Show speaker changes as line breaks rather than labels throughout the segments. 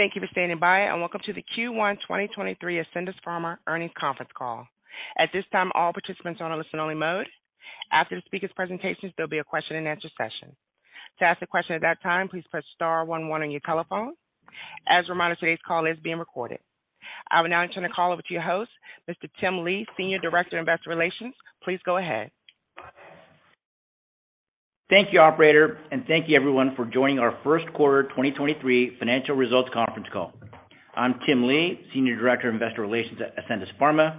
Thank you for standing by, and welcome to the Q1 2023 Ascendis Pharma Earnings Conference Call. At this time, all participants are on a listen-only mode. After the speaker's presentations, there will be a question-and-answer session. To ask a question at that time, please press star one one on your telephone. As a reminder, today's call is being recorded. I will now turn the call over to your host, Mr. Tim Lee, Senior Director of Investor Relations. Please go ahead.
Thank you, operator, and thank you everyone for joining our Q1 2023 financial results conference call. I'm Tim Lee, Senior Director of Investor Relations at Ascendis Pharma.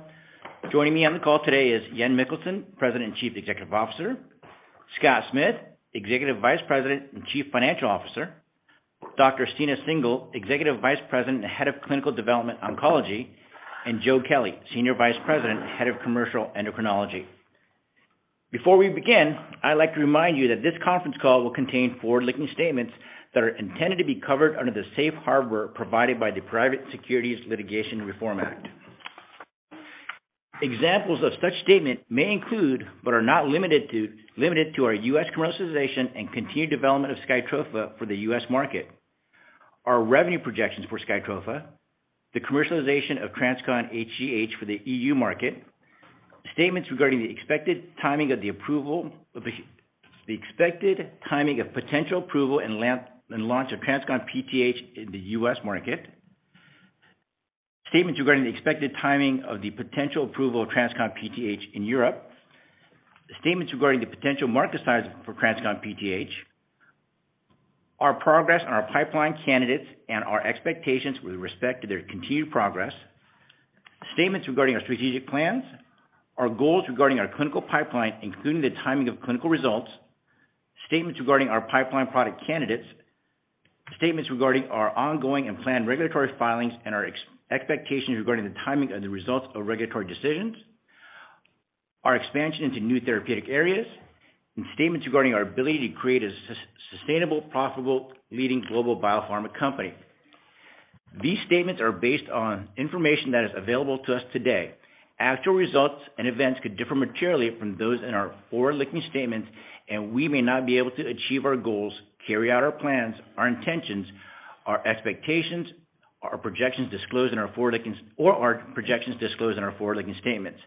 Joining me on the call today is Jan Mikkelsen, President and Chief Executive Officer; Scott Smith, Executive Vice President and Chief Financial Officer; Dr. Stina Singel, Executive Vice President and Head of Clinical Development Oncology; and Joe Kelly, Senior Vice President and Head of Commercial Endocrinology. Before we begin, I'd like to remind you that this conference call will contain forward-looking statements that are intended to be covered under the safe harbor provided by the Private Securities Litigation Reform Act. Examples of such statement may include but are not limited to our U.S. commercialization and continued development of SKYTROFA for the U.S. market, our revenue projections for SKYTROFA, the commercialization of TransCon hGH for the EU market, statements regarding the expected timing of the approval of the. the expected timing of potential approval and launch of TransCon PTH in the U.S. market, statements regarding the expected timing of the potential approval of TransCon PTH in Europe, statements regarding the potential market size for TransCon PTH, our progress on our pipeline candidates and our expectations with respect to their continued progress, statements regarding our strategic plans, our goals regarding our clinical pipeline, including the timing of clinical results, statements regarding our pipeline product candidates, statements regarding our ongoing and planned regulatory filings, and our expectations regarding the timing of the results of regulatory decisions, our expansion into new therapeutic areas, and statements regarding our ability to create a sustainable, profitable, leading global biopharma company. These statements are based on information that is available to us today. Actual results and events could differ materially from those in our forward-looking statements, we may not be able to achieve our goals, carry out our plans, our intentions, our expectations, or our projections disclosed in our forward-looking statements.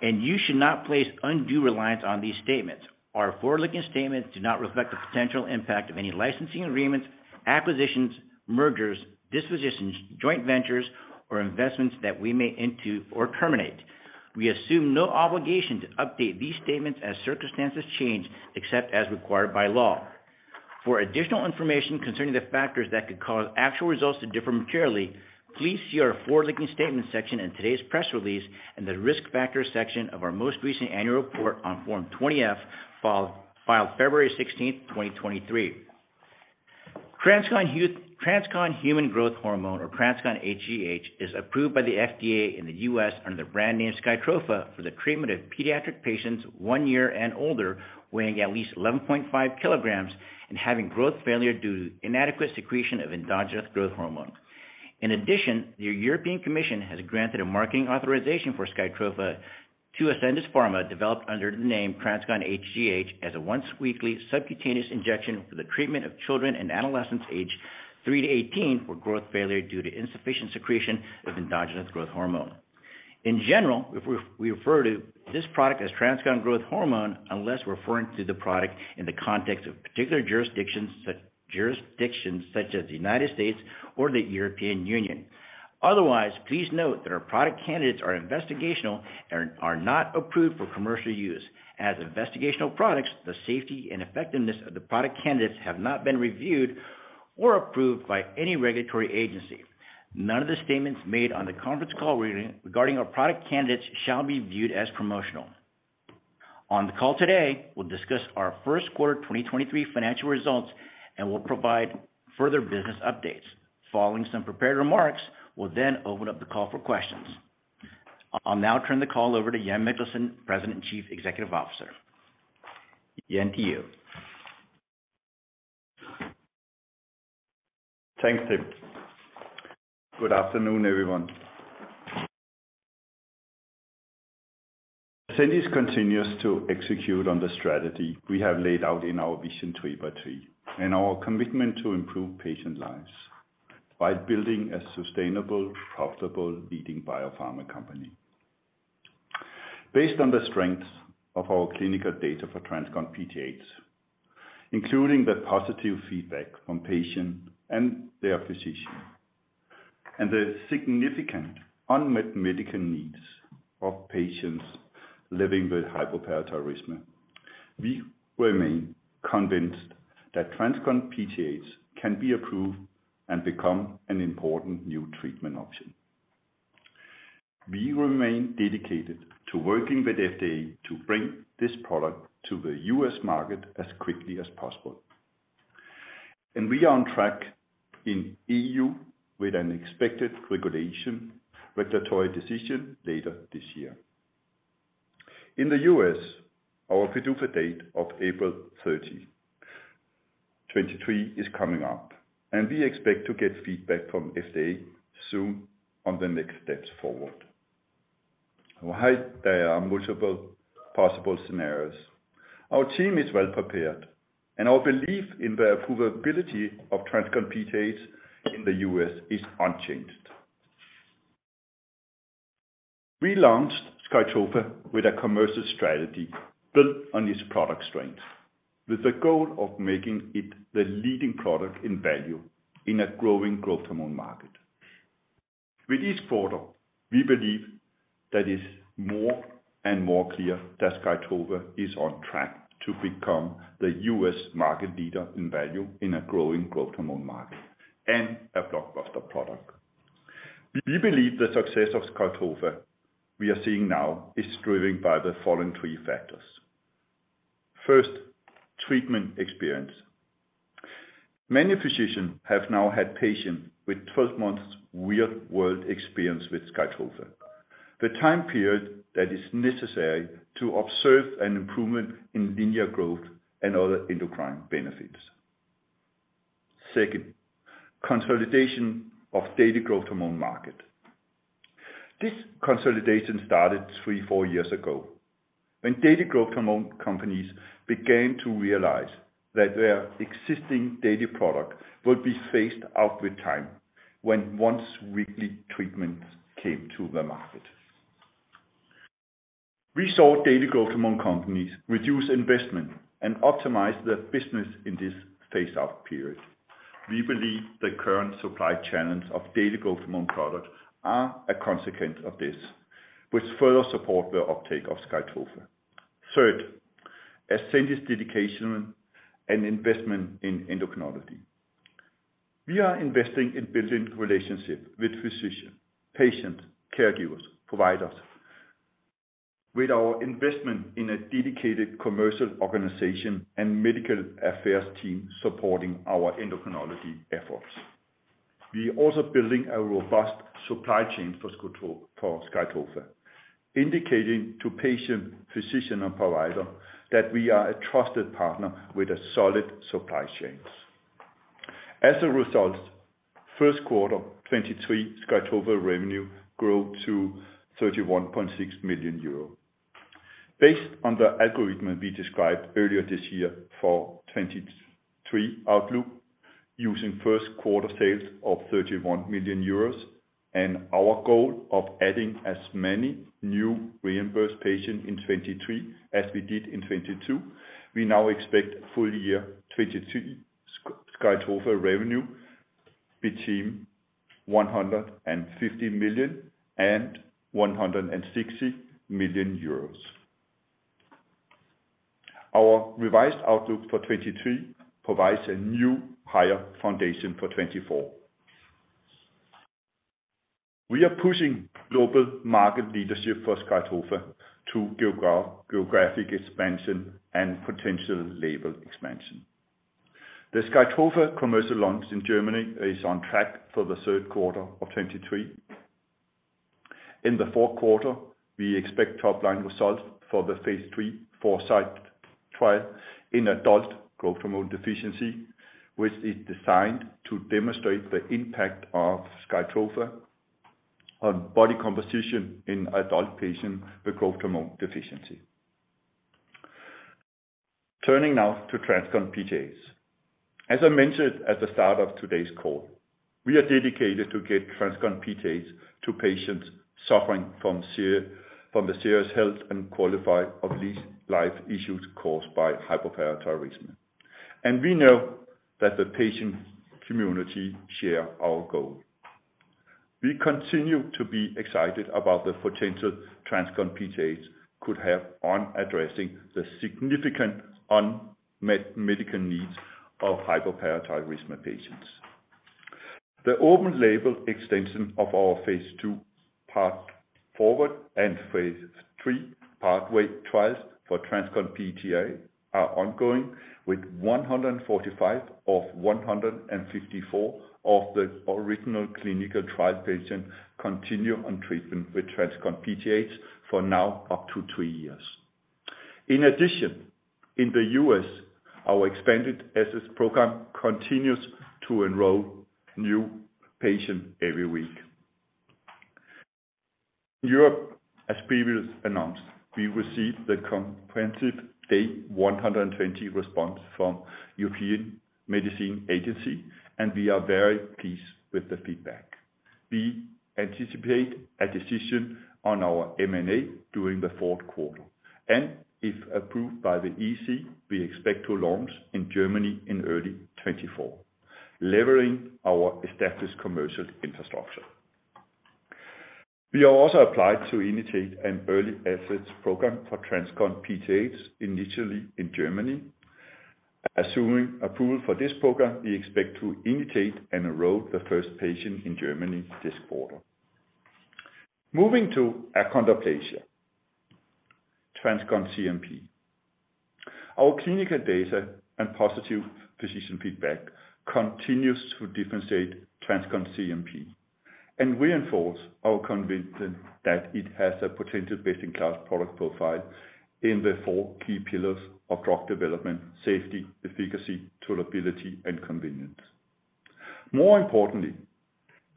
You should not place undue reliance on these statements. Our forward-looking statements do not reflect the potential impact of any licensing agreements, acquisitions, mergers, dispositions, joint ventures, or investments that we may into or terminate. We assume no obligation to update these statements as circumstances change, except as required by law. For additional information concerning the factors that could cause actual results to differ materially, please see our forward-looking statements section in today's press release and the risk factors section of our most recent annual report on Form 20-F filed February 16th, 2023. TransCon Human Growth Hormone or TransCon hGH is approved by the FDA in the US under the brand name SKYTROFA for the treatment of pediatric patients 1 year and older, weighing at least 11.5 kilograms and having growth failure due to inadequate secretion of endogenous growth hormone. In addition, the European Commission has granted a marketing authorization for SKYTROFA to Ascendis Pharma, developed under the name TransCon hGH as a once-weekly subcutaneous injection for the treatment of children and adolescents aged 3-18 for growth failure due to insufficient secretion of endogenous growth hormone. In general, if we refer to this product as TransCon growth hormone unless referring to the product in the context of particular jurisdictions such as the United States or the European Union. Otherwise, please note that our product candidates are investigational and are not approved for commercial use. As investigational products, the safety and effectiveness of the product candidates have not been reviewed or approved by any regulatory agency. None of the statements made on the conference call regarding our product candidates shall be viewed as promotional. On the call today, we'll discuss our Q1 2023 financial results, and we'll provide further business updates. Following some prepared remarks, we'll then open up the call for questions. I'll now turn the call over to Jan Mikkelsen, President and Chief Executive Officer. Jan, to you.
Thanks, Tim. Good afternoon, everyone. Ascendis continues to execute on the strategy we have laid out in our Vision 3x3 and our commitment to improve patient lives by building a sustainable, profitable leading biopharma company. Based on the strength of our clinical data for TransCon PTH, including the positive feedback from patient and their physician, and the significant unmet medical needs of patients living with hypoparathyroidism, we remain convinced that TransCon PTH can be approved and become an important new treatment option. We remain dedicated to working with FDA to bring this product to the U.S. market as quickly as possible. We are on track in E.U. with an expected regulatory decision later this year. In the U.S., our PDUFA date of April 13, 2023 is coming up, and we expect to get feedback from FDA soon on the next steps forward. While there are multiple possible scenarios, our team is well prepared, and our belief in the approvability of TransCon PTH in the U.S. is unchanged. We launched SKYTROFA with a commercial strategy built on its product strength, with the goal of making it the leading product in value in a growing growth hormone market. With each quarter, we believe that it's more and more clear that SKYTROFA is on track to become the U.S. market leader in value in a growing growth hormone market and a blockbuster product. We believe the success of SKYTROFA we are seeing now is driven by the following three factors. First, treatment experience. Many physicians have now had patients with 12 months real-world experience with SKYTROFA, the time period that is necessary to observe an improvement in linear growth and other endocrine benefits. Second, consolidation of daily growth hormone market. This consolidation started 3, 4 years ago, when daily growth hormone companies began to realize that their existing daily product would be phased out with time when once weekly treatments came to the market. We saw daily growth hormone companies reduce investment and optimize their business in this phase out period. We believe the current supply challenge of daily growth hormone products are a consequence of this, which further support the uptake of SKYTROFA. Third, Ascendis' dedication and investment in endocrinology. We are investing in building relationships with physicians, patients, caregivers, providers with our investment in a dedicated commercial organization and medical affairs team supporting our endocrinology efforts. We are also building a robust supply chain for SKYTROFA, indicating to patients, physicians and providers that we are a trusted partner with a solid supply chains. As a result, Q1 2023 SKYTROFA revenue grew to 31.6 million euro. Based on the algorithm we described earlier this year for 2023 outlook, using Q1 sales of 31 million euros and our goal of adding as many new reimbursed patients in 2023 as we did in 2022, we now expect full year 2023 SKYTROFA revenue between 150 million and 160 million euros. Our revised outlook for 2023 provides a new higher foundation for 2024. We are pushing global market leadership for SKYTROFA to geographic expansion and potential label expansion. The SKYTROFA commercial launch in Germany is on track for the Q3 of 2023. In the Q4, we expect top line results for the Phase III foresight trial in adult growth hormone deficiency, which is designed to demonstrate the impact of SKYTROFA on body composition in adult patients with growth hormone deficiency. Turning now to TransCon PTH. As I mentioned at the start of today's call, we are dedicated to get TransCon PTH to patients suffering from the serious health and quality of life issues caused by hypoparathyroidism. We know that the patient community share our goal. We continue to be excited about the potential TransCon PTH could have on addressing the significant unmet medical needs of hypoparathyroidism patients. The open label extension of our Phase II Path Forward and Phase III Pathway trials for TransCon PTH are ongoing with 145 of 154 of the original clinical trial patients continuing on treatment with TransCon PTH for now up to three years. In the U.S., our expanded access program continues to enroll new patients every week. In Europe, as previously announced, we received the comprehensive Day 120 response from European Medicines Agency, and we are very pleased with the feedback. We anticipate a decision on our MAA during the Q4, and if approved by the EC, we expect to launch in Germany in early 2024, leveraging our established commercial infrastructure. We have also applied to initiate an early access program for TransCon PTH initially in Germany. Assuming approval for this program, we expect to initiate and enroll the first patient in Germany this quarter. Moving to achondroplasia, TransCon CNP. Our clinical data and positive physician feedback continues to differentiate TransCon CNP and reinforce our conviction that it has a potential best-in-class product profile in the four key pillars of drug development: safety, efficacy, tolerability, and convenience. More importantly,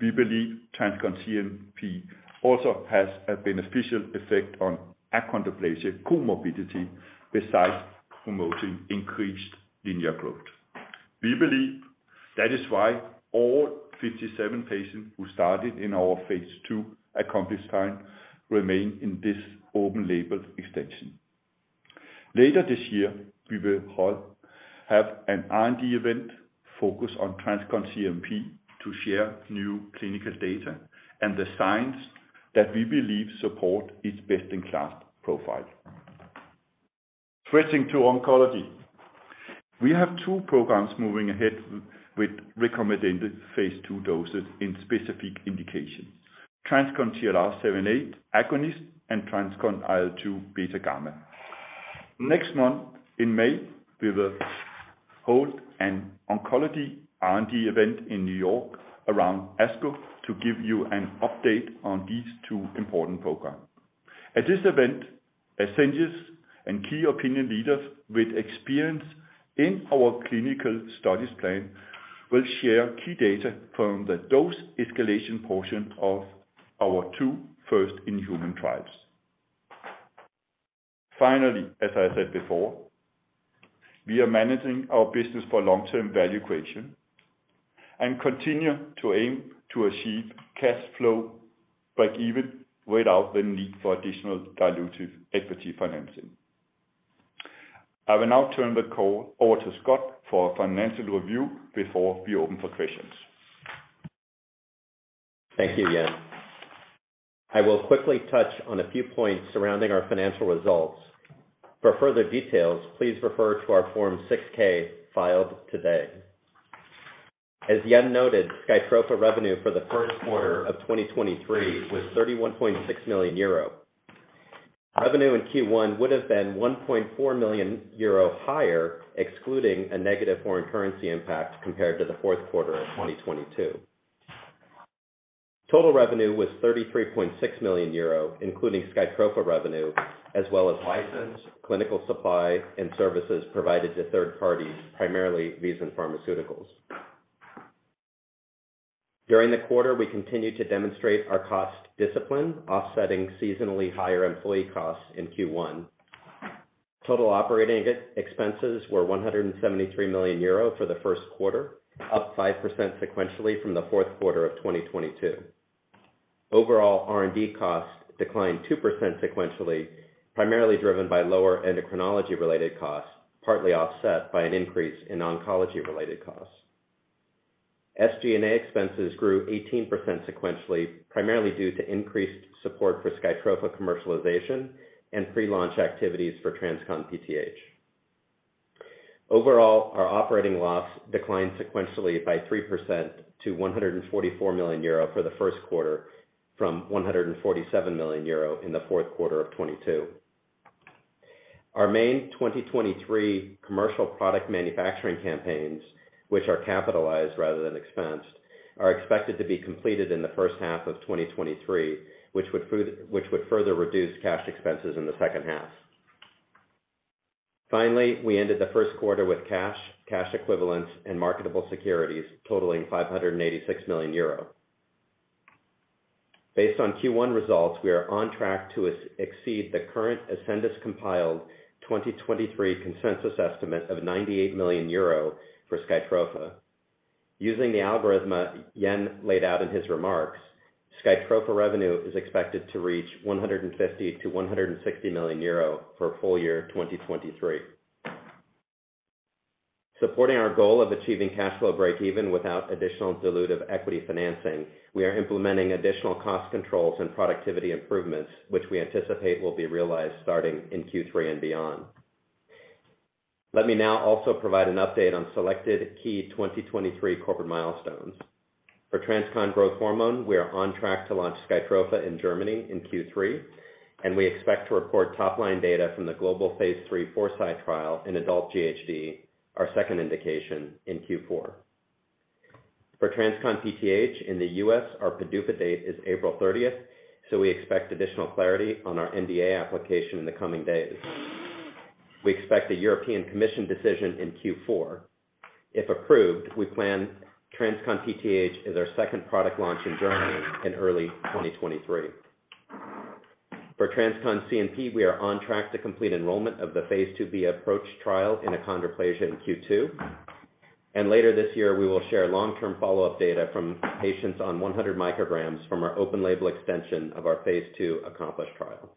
we believe TransCon CNP also has a beneficial effect on achondroplasia comorbidity besides promoting increased linear growth. We believe that is why all 57 patients who started in our Phase II AccomplisH trial remain in this open label extension. Later this year, we will have an R&D event focused on TransCon CNP to share new clinical data and the science that we believe support its best-in-class profile. Switching to oncology. We have two programs moving ahead with recommended phase two doses in specific indications, TransCon TLR7/8 Agonist and TransCon IL-2 β/γ. Next month in May, we will hold an oncology R&D event in New York around ASCO to give you an update on these two important programs. At this event, Ascendis and key opinion leaders with experience in our clinical studies plan will share key data from the dose escalation portion of our two, first in human trials. Finally, as I said before, we are managing our business for long-term value creation and continue to aim to achieve cash flow break even without the need for additional dilutive equity financing. I will now turn the call over to Scott for a financial review before we open for questions.
Thank you, Jan. I will quickly touch on a few points surrounding our financial results. For further details, please refer to our Form 6-K, filed today. As Jan noted, SKYTROFA revenue for the Q1 of 2023 was 31.6 million euro. Revenue in Q1 would have been 1.4 million euro higher, excluding a negative foreign currency impact compared to the Q4 of 2022. Total revenue was 33.6 million euro, including SKYTROFA revenue, as well as license, clinical supply, and services provided to third parties, primarily VISEN Pharmaceuticals. During the quarter, we continued to demonstrate our cost discipline, offsetting seasonally higher employee costs in Q1. Total operating expenses were 173 million euro for the Q1, up 5% sequentially from the Q4 of 2022. Overall, R&D costs declined 2% sequentially, primarily driven by lower endocrinology-related costs, partly offset by an increase in oncology-related costs. SG&A expenses grew 18% sequentially, primarily due to increased support for SKYTROFA commercialization and pre-launch activities for TransCon PTH. Overall, our operating loss declined sequentially by 3% to 144 million euro for the Q1 from 147 million euro in the Q4 of 2022. Our main 2023 commercial product manufacturing campaigns, which are capitalized rather than expensed, are expected to be completed in the first half of 2023, which would further reduce cash expenses in the second half. We ended the Q1 with cash equivalents, and marketable securities totaling 586 million euro. Based on Q1 results, we are on track to exceed the current Ascendis Pharma-compiled 2023 consensus estimate of 98 million euro for SKYTROFA. Using the algorithm that Jan Mikkelsen laid out in his remarks, SKYTROFA revenue is expected to reach 150 million-160 million euro for full year 2023. Supporting our goal of achieving cash flow break even without additional dilutive equity financing, we are implementing additional cost controls and productivity improvements, which we anticipate will be realized starting in Q3 and beyond. Let me now also provide an update on selected key 2023 corporate milestones. For TransCon Growth Hormone, we are on track to launch SKYTROFA in Germany in Q3, and we expect to report top-line data from the global phase III foresiGHt trial in adult GHD, our second indication, in Q4. For TransCon PTH in the U.S., our PDUFA date is April 30. We expect additional clarity on our NDA application in the coming days. We expect a European Commission decision in Q4. If approved, we plan TransCon PTH as our second product launch in Germany in early 2023. For TransCon CNP, we are on track to complete enrollment of the phase IIb Approach trial in achondroplasia in Q2. Later this year, we will share long-term follow-up data from patients on 100 micrograms from our open label extension of our phase II AccomplisH trial.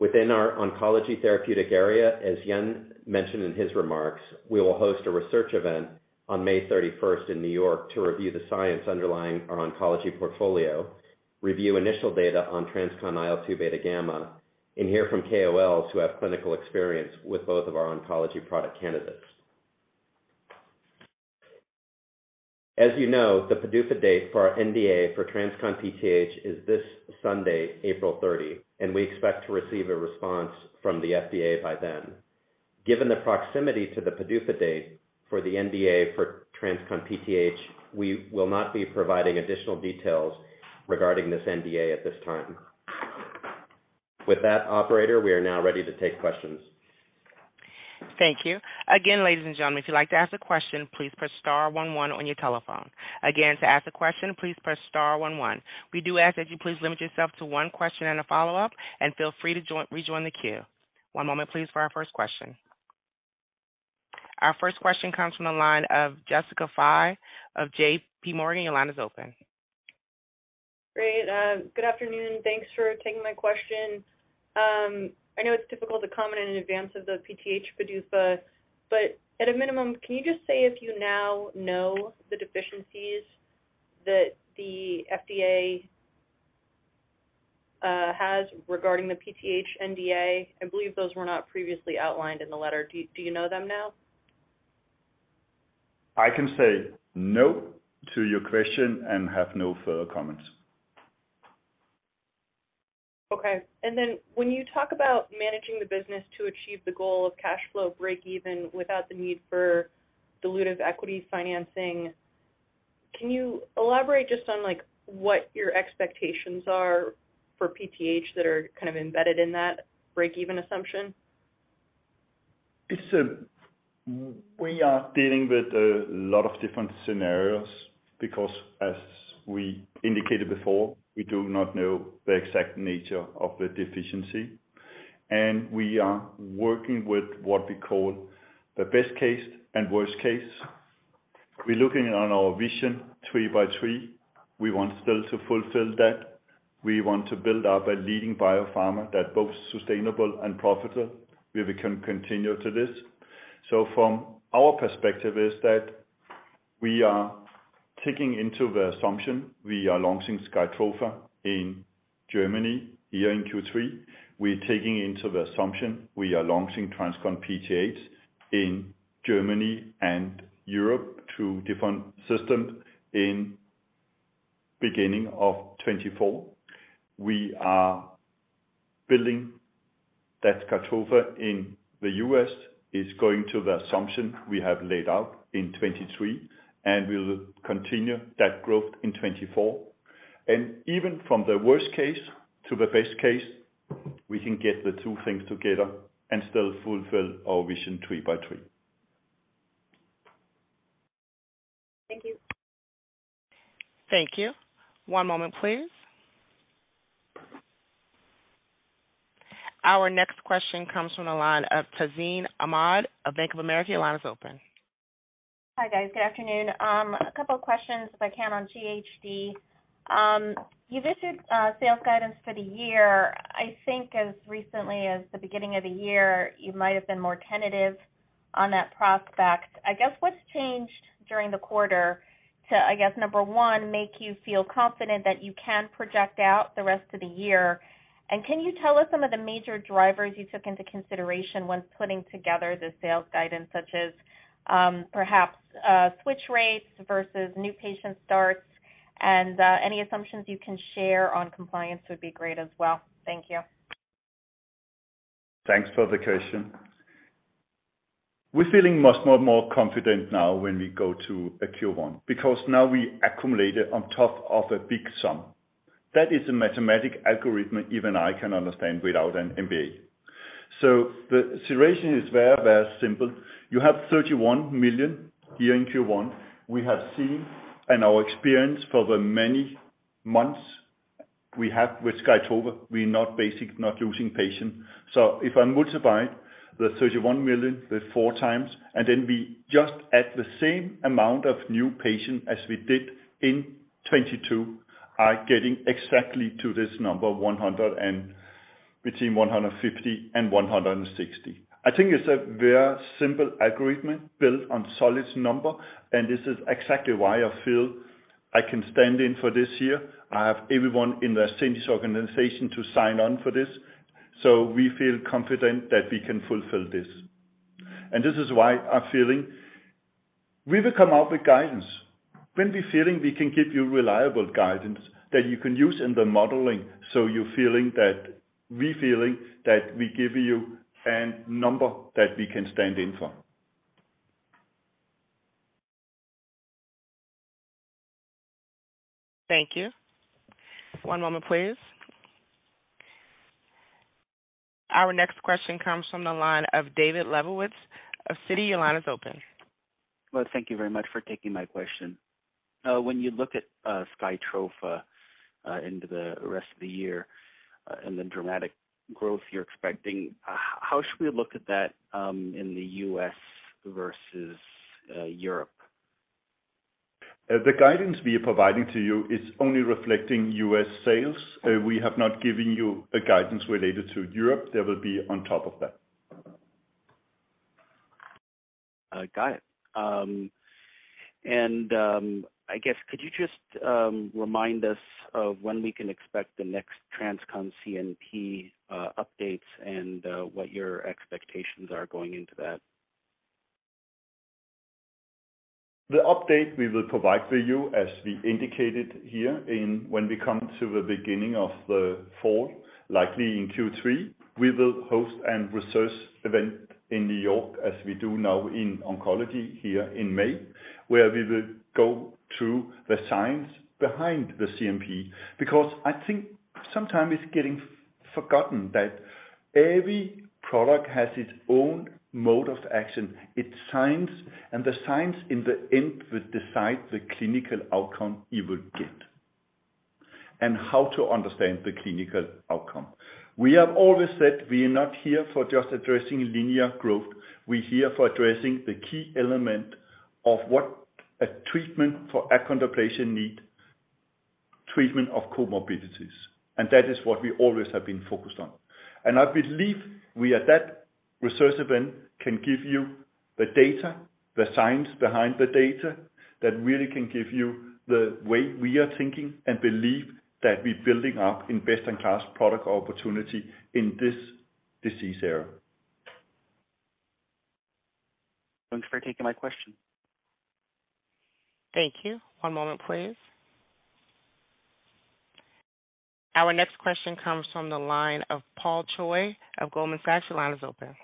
Within our oncology therapeutic area, as Jan mentioned in his remarks, we will host a research event on May 31 in New York to review the science underlying our oncology portfolio, review initial data on TransCon IL-2 Beta Gamma, and hear from KOLs who have clinical experience with both of our oncology product candidates. As you know, the PDUFA date for our NDA for TransCon PTH is this Sunday, April 30, and we expect to receive a response from the FDA by then. Given the proximity to the PDUFA date for the NDA for TransCon PTH, we will not be providing additional details regarding this NDA at this time. With that operator, we are now ready to take questions.
Thank you. Again, ladies and gentlemen, if you'd like to ask a question, please press star one one on your telephone. Again, to ask a question, please press star one one. We do ask that you please limit yourself to one question and a follow-up, and feel free to rejoin the queue. One moment please for our first question. Our first question comes from the line of Jessica Fye of J.P. Morgan. Your line is open.
Great. Good afternoon. Thanks for taking my question. I know it's difficult to comment in advance of the PTH PDUFA, but at a minimum, can you just say if you now know the deficiencies that the FDA has regarding the PTH NDA? I believe those were not previously outlined in the letter. Do you know them now?
I can say no to your question and have no further comments.
Okay. Then when you talk about managing the business to achieve the goal of cash flow breakeven without the need for dilutive equity financing, can you elaborate just on, like, what your expectations are for PTH that are kind of embedded in that breakeven assumption?
We are dealing with a lot of different scenarios because as we indicated before, we do not know the exact nature of the deficiency, and we are working with what we call the best case and worst case. We're looking on our Vision 3x3. We want still to fulfill that. We want to build up a leading biopharma that both sustainable and profitable. We will continue to this. From our perspective is that we are taking into the assumption we are launching SKYTROFA in Germany here in Q3. We're taking into the assumption we are launching TransCon PTH in Germany and Europe through different systems in beginning of 2024. We are building that SKYTROFA in the U.S. is going to the assumption we have laid out in 2023, and we'll continue that growth in 2024. Even from the worst case to the best case, we can get the two things together and still fulfill our Vision 3x3.
Thank you.
Thank you. One moment, please. Our next question comes from the line of Tazeen Ahmad of Bank of America. Your line is open.
Hi, guys. Good afternoon. A couple of questions, if I can, on GHD. You visited sales guidance for the year. I think as recently as the beginning of the year, you might have been more tentative on that prospect. I guess what's changed during the quarter to, I guess, number one, make you feel confident that you can project out the rest of the year? Can you tell us some of the major drivers you took into consideration when putting together the sales guidance, such as, perhaps, switch rates versus new patient starts? Any assumptions you can share on compliance would be great as well. Thank you.
Thanks for the question. We're feeling much more confident now when we go to a Q1, because now we accumulated on top of a big sum. That is a mathematical algorithm even I can understand without an MBA. The situation is very, very simple. You have $31 million here in Q1. We have seen in our experience for the many months we have with SKYTROFA, we're not losing patients. If I multiply the $31 million with four times, and then we just add the same amount of new patients as we did in 2022, are getting exactly to this number between $150 million and $160 million. I think it's a very simple agreement built on solid number, and this is exactly why I feel I can stand in for this year. I have everyone in the Ascendis organization to sign on for this, so we feel confident that we can fulfill this. This is why I'm feeling we will come out with guidance when we're feeling we can give you reliable guidance that you can use in the modeling so you're feeling that we're feeling that we give you an number that we can stand in for.
Thank you. One moment, please. Our next question comes from the line of David Lebowitz of Citi. Your line is open.
Well, thank you very much for taking my question. When you look at, SKYTROFA, into the rest of the year, and the dramatic growth you're expecting, how should we look at that, in the U.S. versus, Europe?
The guidance we are providing to you is only reflecting U.S. sales. We have not given you a guidance related to Europe. That would be on top of that.
Got it. I guess could you just, remind us of when we can expect the next TransCon CNP, updates and what your expectations are going into that?
The update we will provide for you, as we indicated here in when we come to the beginning of the fall, likely in Q3, we will host an research event in New York as we do now in oncology here in May, where we will go through the science behind the CNP. I think sometimes it's getting Forgotten that every product has its own mode of action, its science, and the science in the end will decide the clinical outcome you will get, and how to understand the clinical outcome. We have always said we are not here for just addressing linear growth. We're here for addressing the key element of what a treatment for achondroplasia need, treatment of comorbidities, and that is what we always have been focused on. I believe we at that research event can give you the data, the science behind the data, that really can give you the way we are thinking and believe that we're building up in best-in-class product opportunity in this disease area.
Thanks for taking my question.
Thank you. One moment, please. Our next question comes from the line of Paul Choi of Goldman Sachs. Your line is open.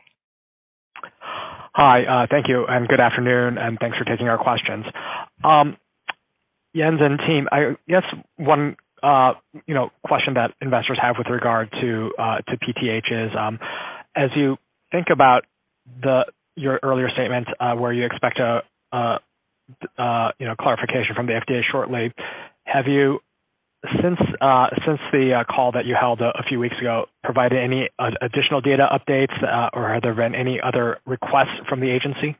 Hi. Thank you, and good afternoon, and thanks for taking our questions. Jan and team, I guess one, you know, question that investors have with regard to PTH is, as you think about your earlier statement, where you expect a, you know, clarification from the FDA shortly, have you, since the call that you held a few weeks ago, provided any additional data updates, or have there been any other requests from the agency?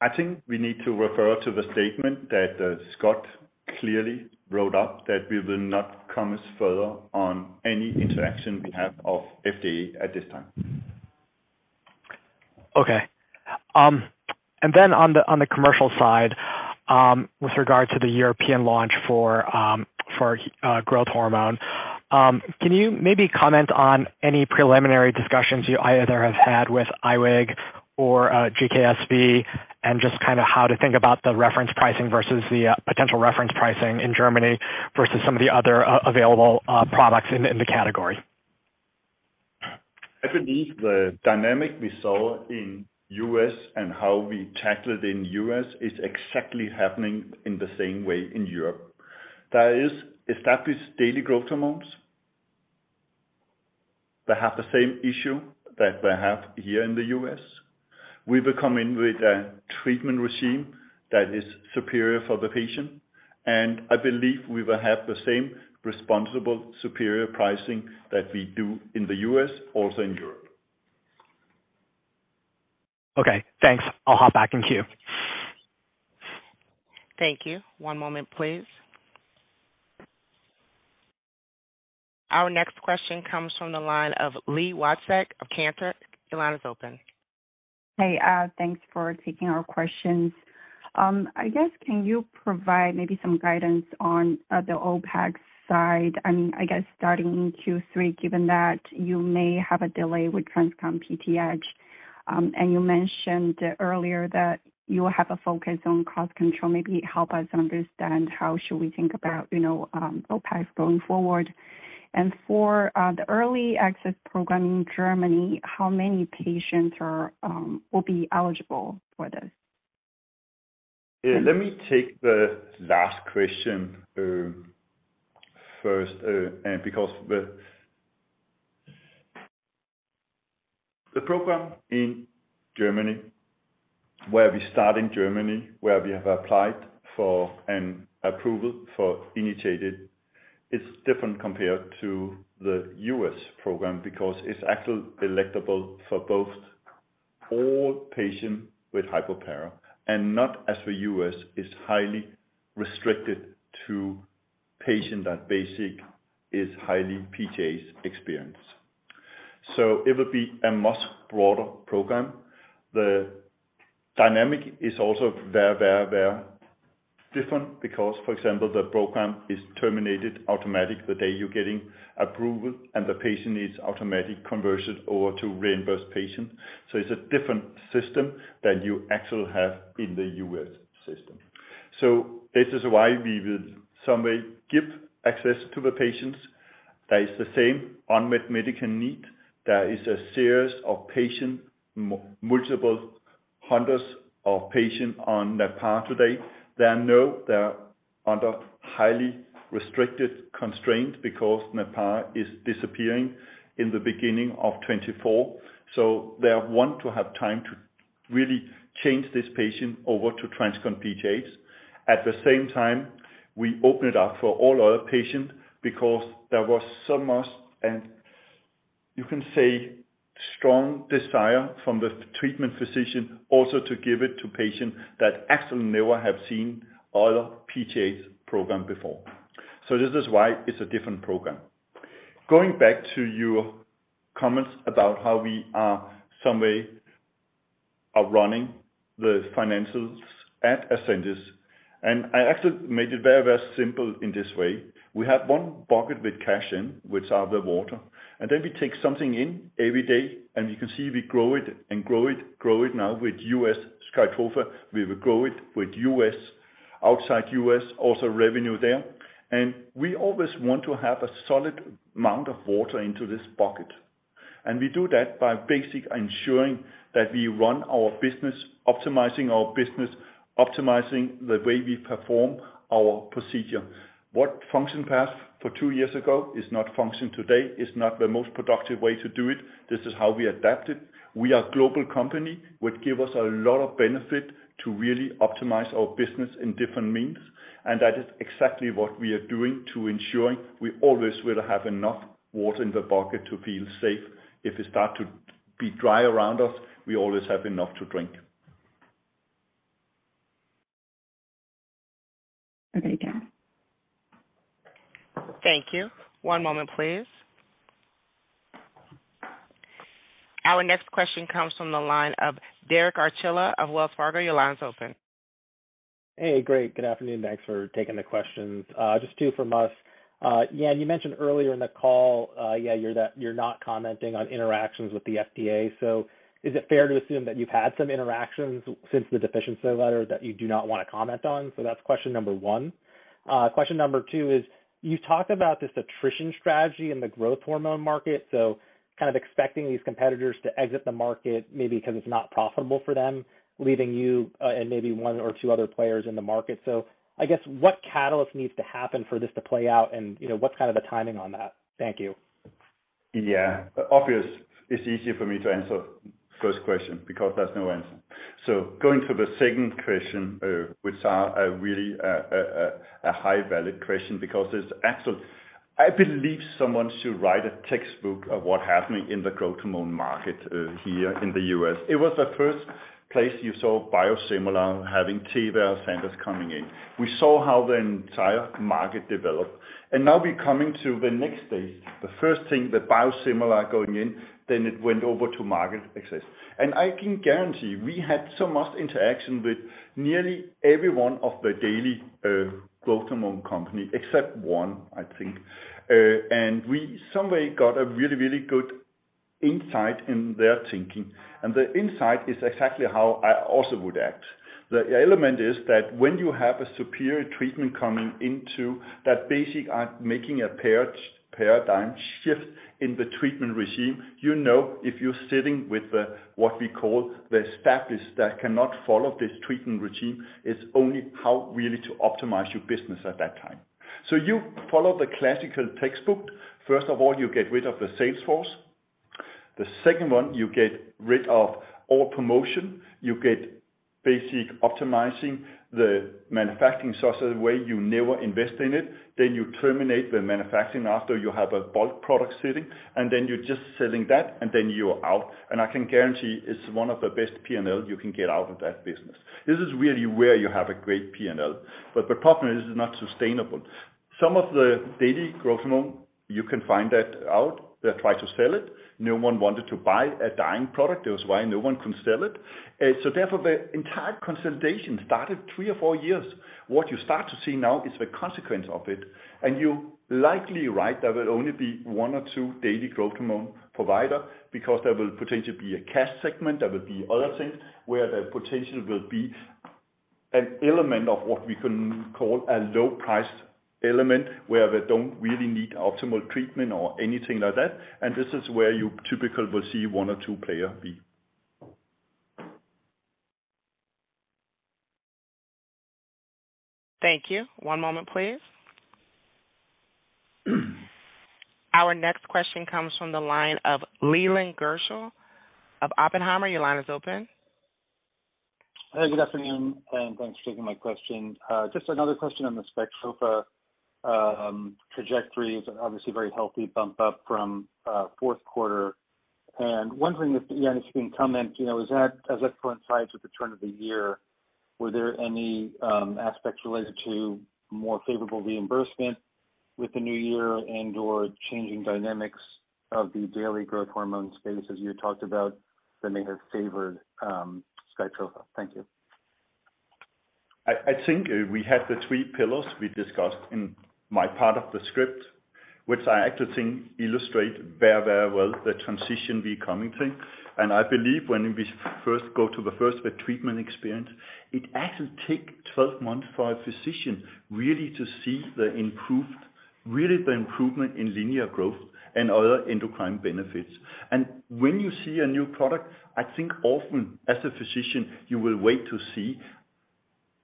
I think we need to refer to the statement that Scott clearly wrote up, that we will not comment further on any interaction we have of FDA at this time.
On the commercial side, with regard to the European launch for growth hormone, can you maybe comment on any preliminary discussions you either have had with IQWiG or GKSB and just kinda how to think about the reference pricing versus the potential reference pricing in Germany versus some of the other available products in the category?
I believe the dynamic we saw in U.S. and how we tackled in U.S. is exactly happening in the same way in Europe. That is established daily growth amounts that have the same issue that they have here in the U.S. We will come in with a treatment regime that is superior for the patient, and I believe we will have the same responsible superior pricing that we do in the U.S. also in Europe.
Okay, thanks. I'll hop back in queue.
Thank you. One moment, please. Our next question comes from the line of Li Watsek of Cantor. Your line is open.
Hey. Thanks for taking our questions. I guess can you provide maybe some guidance on the OPAG side, I guess starting in Q3, given that you may have a delay with TransCon PTH? You mentioned earlier that you will have a focus on cost control. Maybe help us understand how should we think about, you know, OPAG going forward. For the early access program in Germany, how many patients will be eligible for this?
Let me take the last question, first. Because the program in Germany, where we start in Germany, where we have applied for an approval for initiated is different compared to the U.S. program because it's actually electable for both all patients with hypoparathyroidism and not as the U.S. is highly restricted to patients that basic is highly PTH experience. It will be a much broader program. The dynamic is also very, very, very different because, for example, the program is terminated automatic the day you're getting approval, and the patient is automatic converted over to reimbursed patient. It's a different system than you actually have in the U.S. system. This is why we will some way give access to the patients that is the same unmet medical need. There is a series of patient, multiple hundreds of patients on Natpara today. They know they're under highly restricted constraints because Natpara is disappearing in the beginning of 2024. They want to have time to really change this patient over to TransCon PTH. At the same time, we open it up for all other patients because there was so much, and you can say strong desire from the treatment physician also to give it to patients that actually never have seen other PTH program before. This is why it's a different program. Going back to your comments about how we are some way of running the financials at Ascendis, and I actually made it very, very simple in this way. We have 1 bucket with cash in, which are the water, and then we take something in every day, and you can see we grow it and grow it, grow it now with US SKYTROFA. We will grow it with US, outside US, also revenue there. We always want to have a solid amount of water into this bucket. We do that by basic ensuring that we run our business, optimizing our business, optimizing the way we perform our procedure. What functioned perhaps for two years ago is not functioned today, is not the most productive way to do it. This is how we adapt it. We are a global company, which give us a lot of benefit to really optimize our business in different means, and that is exactly what we are doing to ensuring we always will have enough water in the bucket to feel safe. If it start to be dry around us, we always have enough to drink.
Okay, Jan.
Thank you. One moment, please. Our next question comes from the line of Derek Archila of Wells Fargo. Your line is open.
Hey, great. Good afternoon. Thanks for taking the questions. Just two from us. Jan, you mentioned earlier in the call, you're not commenting on interactions with the FDA. Is it fair to assume that you've had some interactions since the deficiency letter that you do not want to comment on? That's question number one. Question number two is, you talked about this attrition strategy in the growth hormone market, kind of expecting these competitors to exit the market, maybe because it's not profitable for them, leaving you and maybe one or two other players in the market. I guess, what catalyst needs to happen for this to play out? You know, what's kind of the timing on that? Thank you.
Yeah. Obvious, it's easier for me to answer first question because there's no answer. Going to the second question, which are really a high valid question because it's I believe someone should write a textbook of what happened in the growth hormone market here in the U.S. It was the first place you saw biosimilar having Teva and Sandoz coming in. We saw how the entire market developed, and now we're coming to the next phase. The first thing, the biosimilar going in, then it went over to market access. I can guarantee we had so much interaction with nearly every one of the daily, growth hormone company, except one, I think. We somewhere got a really, really good insight in their thinking, and the insight is exactly how I also would act. The element is that when you have a superior treatment coming into that basic, making a paradigm shift in the treatment regime, you know if you're sitting with the, what we call the established that cannot follow this treatment regime, it's only how really to optimize your business at that time. You follow the classical textbook. First of all, you get rid of the sales force. The second one, you get rid of all promotion. You get basic optimizing the manufacturing source of the way, you never invest in it. Then you terminate the manufacturing after you have a bulk product sitting, and then you're just selling that, and then you're out. I can guarantee it's one of the best P&L you can get out of that business. This is really where you have a great P&L. The problem is, it's not sustainable. Some of the daily growth hormone, you can find that out. They try to sell it. No one wanted to buy a dying product. That was why no one can sell it. Therefore, the entire consolidation started three or four years. What you start to see now is the consequence of it, and you're likely right, there will only be one or two daily growth hormone provider because there will potentially be a cash segment. There will be other things where the potential will be an element of what we can call a low price element, where they don't really need optimal treatment or anything like that. This is where you typically will see one or two player be.
Thank you. One moment, please. Our next question comes from the line of Leland Gershell of Oppenheimer. Your line is open.
Hey, good afternoon, and thanks for taking my question. Just another question on the SKYTROFA trajectory. It's obviously very healthy bump up from Q4. Wondering if, Jan, if you can comment, you know, as that coincides with the turn of the year, were there any aspects related to more favorable reimbursement with the new year and/or changing dynamics of the daily growth hormone space, as you talked about, that may have favored SKYTROFA? Thank you.
I think we had the three pillars we discussed in my part of the script, which I actually think illustrate very, very well the transition we're coming to. I believe when we first go to the first, the treatment experience, it actually take 12 months for a physician really to see the improved really the improvement in linear growth and other endocrine benefits. When you see a new product, I think often as a physician, you will wait to see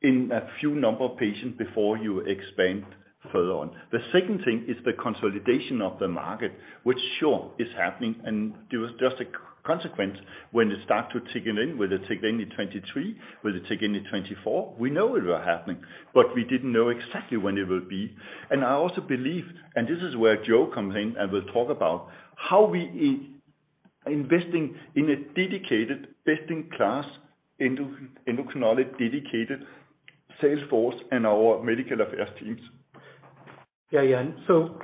in a few number of patients before you expand further on. The second thing is the consolidation of the market, which sure is happening, and it was just a consequence when it start to tickling, whether tickling in 2023, whether tickling in 2024. We know it was happening, but we didn't know exactly when it would be. I also believe, and this is where Joe comes in and will talk about, how we investing in a dedicated best-in-class endocrinology dedicated sales force and our medical affairs teams.
Yeah, Jan.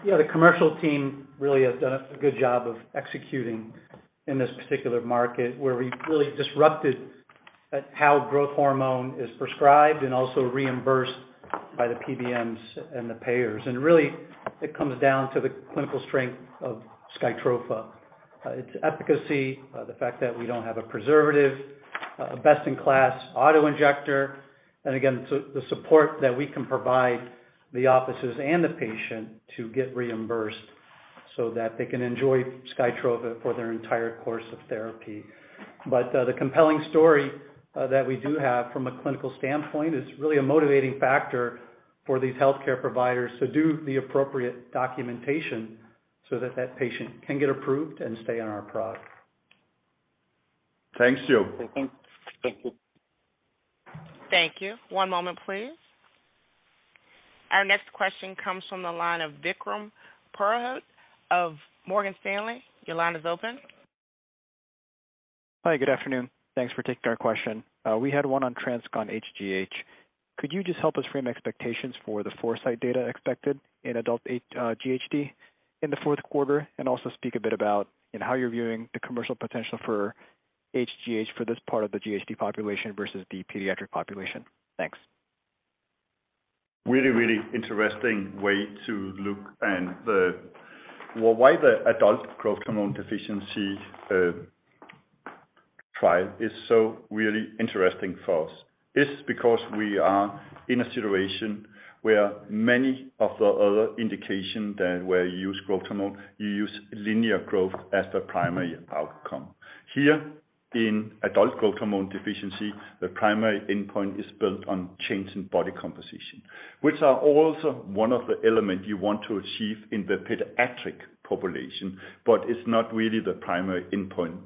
Yeah, the commercial team really has done a good job of executing in this particular market, where we really disrupted at how growth hormone is prescribed and also reimbursed by the PBMs and the payers. Really it comes down to the clinical strength of SKYTROFA. Its efficacy, the fact that we don't have a preservative, a best-in-class auto-injector, and again, the support that we can provide the offices and the patient to get reimbursed so that they can enjoy SKYTROFA for their entire course of therapy. The compelling story that we do have from a clinical standpoint is really a motivating factor for these healthcare providers to do the appropriate documentation so that patient can get approved and stay on our product.
Thanks, Joe.
Thank you. One moment, please. Our next question comes from the line of Vikram Purohit of Morgan Stanley. Your line is open.
Hi. Good afternoon. Thanks for taking our question. We had one on TransCon hGH. Could you just help us frame expectations for the foresiGHt data expected in adult GHD in the Q4, and also speak a bit about, you know, how you're viewing the commercial potential for hGH for this part of the GHD population versus the pediatric population? Thanks.
Really interesting way to look. Why the adult growth hormone deficiency trial is so really interesting for us is because we are in a situation where many of the other indications where you use growth hormone, you use linear growth as the primary outcome. Here in adult growth hormone deficiency, the primary endpoint is built on change in body composition, which are also one of the elements you want to achieve in the pediatric population, it's not really the primary endpoint.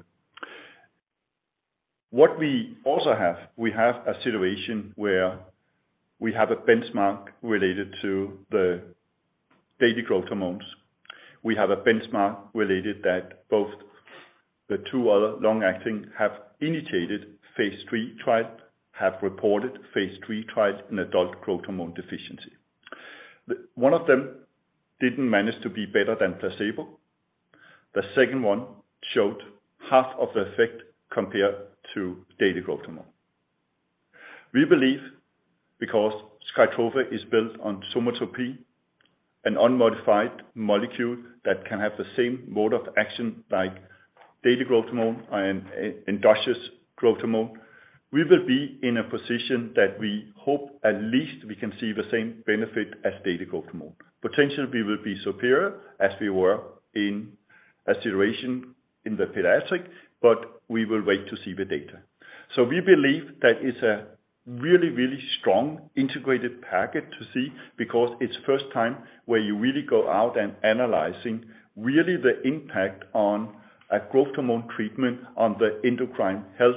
What we also have, we have a situation where we have a benchmark related to the daily growth hormone. We have a benchmark related that both the two other long-acting have initiated phase III trial, have reported phase III trials in adult growth hormone deficiency. One of them didn't manage to be better than placebo. The second one showed half of the effect compared to daily growth hormone. We believe because SKYTROFA is built on somatropin, an unmodified molecule that can have the same mode of action like daily growth hormone and doses growth hormone, we will be in a position that we hope at least we can see the same benefit as daily growth hormone. Potentially, we will be superior as we were in a situation in the pediatric, but we will wait to see the data. We believe that it's a really, really strong integrated packet to see because it's first time where you really go out and analyzing really the impact on a growth hormone treatment on the endocrine health,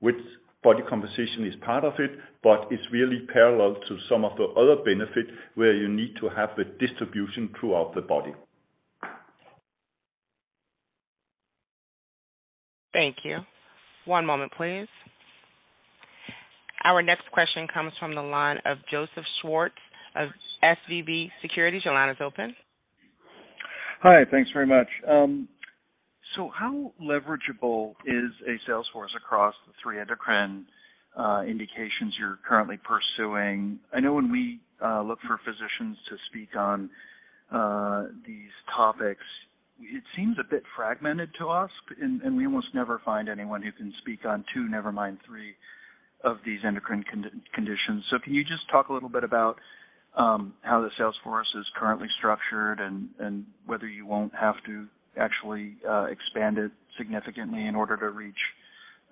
which body composition is part of it, but it's really parallel to some of the other benefit where you need to have the distribution throughout the body.
Thank you. One moment, please. Our next question comes from the line of Joseph Schwartz of SVB Securities. Your line is open.
Hi. Thanks very much. How leverageable is a sales force across the three endocrine indications you're currently pursuing? I know when we look for physicians to speak on these topics, it seems a bit fragmented to us, and we almost never find anyone who can speak on two, never mind three of these endocrine conditions. Can you just talk a little bit about how the sales force is currently structured and whether you won't have to actually expand it significantly in order to reach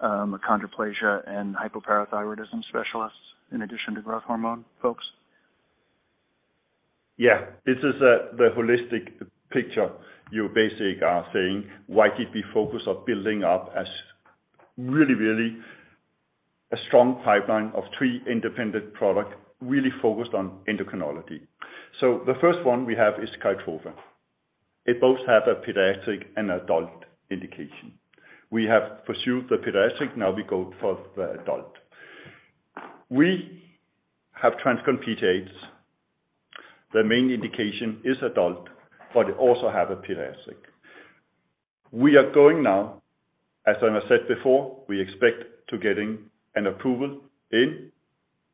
achondroplasia and hypoparathyroidism specialists in addition to growth hormone folks?
Yeah. This is the holistic picture. You basic are saying, why did we focus on building up as really a strong pipeline of three independent product, really focused on endocrinology. The first one we have is SKYTROFA. It both have a pediatric and adult indication. We have pursued the pediatric, now we go for the adult. We have TransCon PTH. The main indication is adult, but it also have a pediatric. We are going now, as I said before, we expect to getting an approval in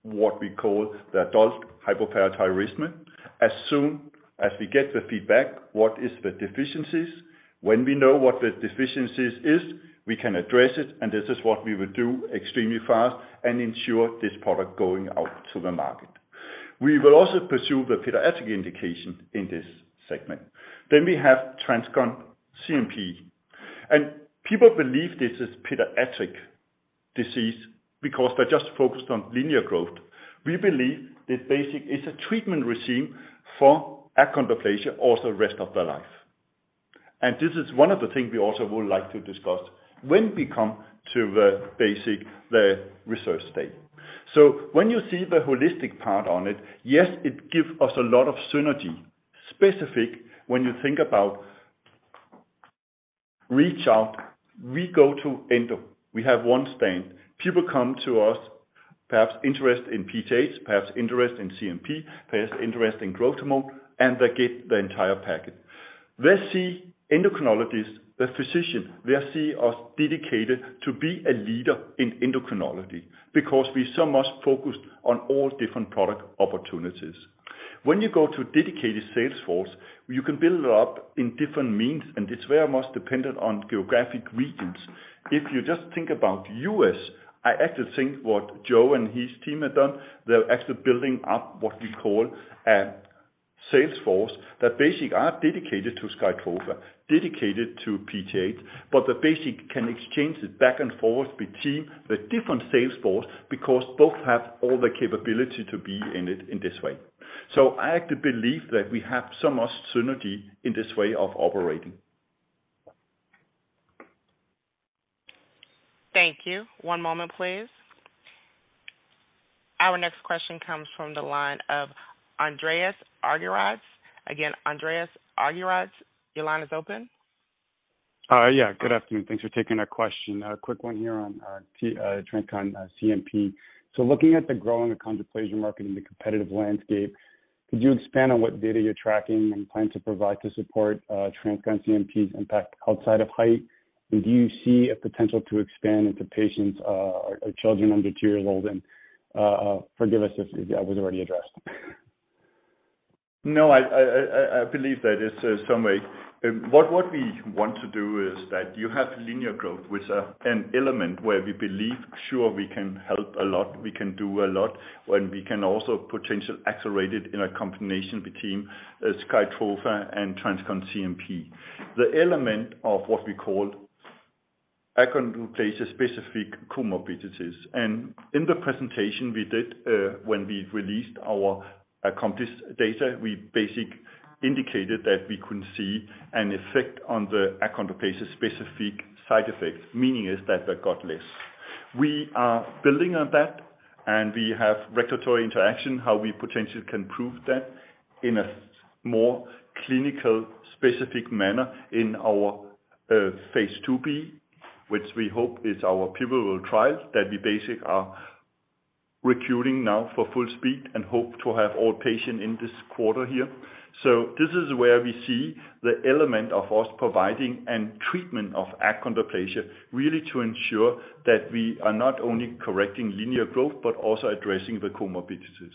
what we call the adult hypoparathyroidism. As soon as we get the feedback, what is the deficiencies, when we know what the deficiencies is, we can address it, and this is what we will do extremely fast and ensure this product going out to the market. We will also pursue the pediatric indication in this segment. We have TransCon CNP. People believe this is pediatric disease because they're just focused on linear growth. We believe this basic is a treatment regime for achondroplasia also rest of their life. This is one of the things we also would like to discuss when we come to the research state. When you see the holistic part on it, yes, it give us a lot of synergy, specific when you think about reach out. We go to endo, we have one stand. People come to us, perhaps interest in PTH, perhaps interest in CNP, perhaps interest in growth hormone, and they get the entire package. They see endocrinologists, the physician, they see us dedicated to be a leader in endocrinology because we so much focused on all different product opportunities. You go to dedicated sales force, you can build it up in different means. It's very much dependent on geographic regions. If you just think about U.S., I actually think what Joe and his team have done, they're actually building up what we call a sales force that basically are dedicated to SKYTROFA, dedicated to PGH, but that basically can exchange it back and forth between the different sales force because both have all the capability to be in it in this way. I actually believe that we have so much synergy in this way of operating.
Thank you. One moment, please. Our next question comes from the line of Andreas Argyrides. Again, Andreas Argyrides, your line is open.
Yeah, good afternoon. Thanks for taking our question. A quick one here on TransCon CNP. Looking at the growing achondroplasia market and the competitive landscape, could you expand on what data you're tracking and plan to provide to support TransCon CNP's impact outside of height? Do you see a potential to expand into patients or children under two years old? Forgive us if that was already addressed.
No, I believe that is some way. What we want to do is that you have linear growth with an element where we believe, sure, we can help a lot, we can do a lot, when we can also potential accelerate it in a combination between SKYTROFA and TransCon CNP. The element of what we call achondroplasia-specific comorbidities. In the presentation we did, when we released our AccomplisH data, we basic indicated that we could see an effect on the achondroplasia-specific side effects, meaning is that they got less. We are building on that, and we have regulatory interaction, how we potentially can prove that in a more clinical specific manner in our Phase IIb, which we hope is our pivotal trial, that we basic are recruiting now for full speed and hope to have all patient in this quarter here. This is where we see the element of us providing and treatment of achondroplasia, really to ensure that we are not only correcting linear growth but also addressing the comorbidities.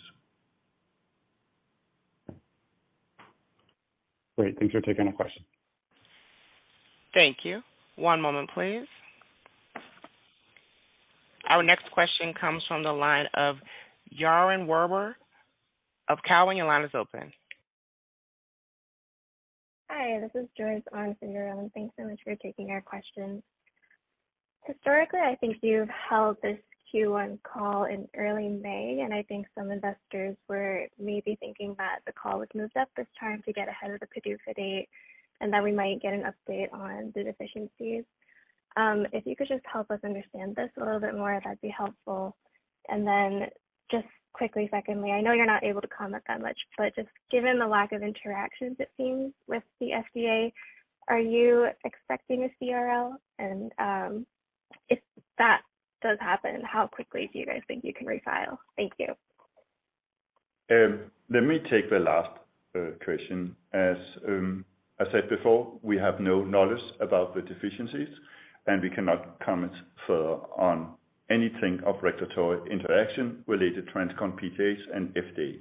Great. Thanks for taking our question.
Thank you. One moment, please. Our next question comes from the line of Yaron Werber of Cowen. Your line is open.
Hi, this is uncertain. Thanks so much for taking our questions. Historically, I think you've held this Q1 call in early May. I think some investors were maybe thinking that the call was moved up this time to get ahead of the PDUFA date and that we might get an update on the deficiencies. If you could just help us understand this a little bit more, that'd be helpful. Just quickly, secondly, I know you're not able to comment that much, but just given the lack of interactions it seems with the FDA, are you expecting a CRL? If that does happen, how quickly do you guys think you can refile? Thank you.
Let me take the last question. As I said before, we have no knowledge about the deficiencies, and we cannot comment further on anything of regulatory interaction related TransCon hGH and FDA.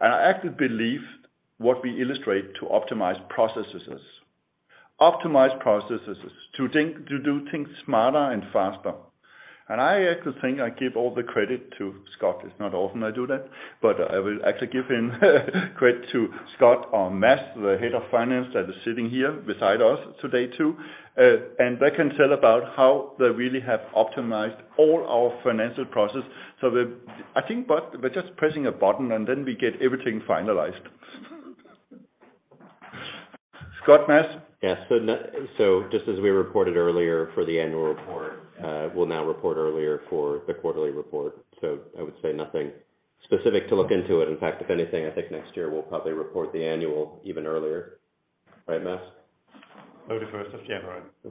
I actually believe what we illustrate to optimize processes to think, to do things smarter and faster. I actually think I give all the credit to Scott. It's not often I do that, but I will actually give him credit to Scott or Mads, the head of finance that is sitting here beside us today too. They can tell about how they really have optimized all our financial processes. I think by just pressing a button and then we get everything finalized. Scott, Mads?
Yes. just as we reported earlier for the annual report, we'll now report earlier for the quarterly report. I would say nothing specific to look into it. In fact, if anything, I think next year we'll probably report the annual even earlier. Right, Mads?
January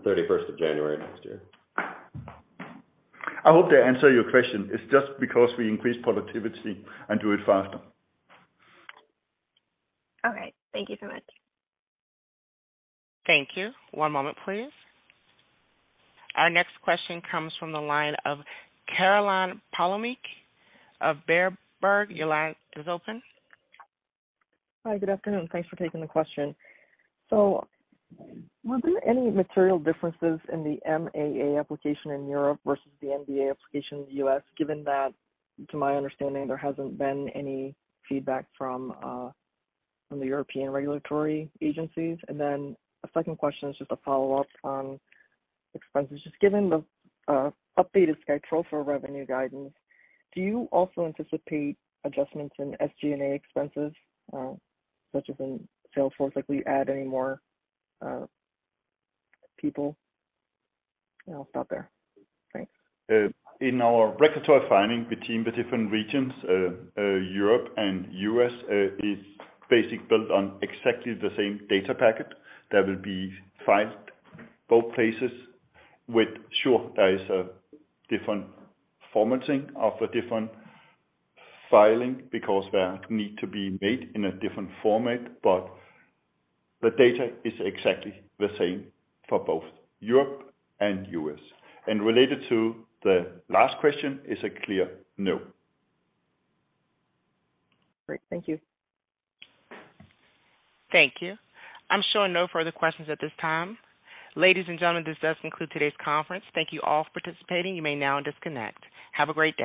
31.
January 31 next year.
I hope that answer your question. It's just because we increased productivity and do it faster.
All right. Thank you so much.
Thank you. One moment, please. Our next question comes from the line of Caroline Palomeque of Berenberg. Your line is open.
Hi. Good afternoon. Thanks for taking the question. Were there any material differences in the MAA application in Europe versus the NDA application in the U.S., given that, to my understanding, there hasn't been any feedback from the European regulatory agencies? A second question is just a follow-up on expenses. Just given the updated SKYTROFA revenue guidance, do you also anticipate adjustments in SG&A expenses, such as in sales force? Will you add any more people? I'll stop there. Thanks.
In our regulatory filing between the different regions, Europe and U.S., is basic built on exactly the same data packet that will be filed both places with, sure, there is a different formatting of a different filing because they need to be made in a different format, but the data is exactly the same for both Europe and U.S. Related to the last question is a clear no.
Great. Thank you.
Thank you. I'm showing no further questions at this time. Ladies and gentlemen, this does conclude today's conference. Thank you all for participating. You may now disconnect. Have a great day.